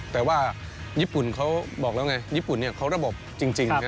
แต่ว่าญี่ปุ่นเขาบอกแล้วไงญี่ปุ่นเขาระบบจริง